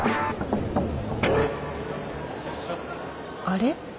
あれ？